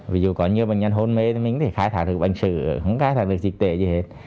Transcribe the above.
ví dụ có nhiều bệnh nhân hôn mê thì mình có thể khai thả được bệnh sử không khai thả được dịch tệ gì hết